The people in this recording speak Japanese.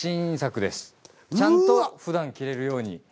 ちゃんとふだん着れるように。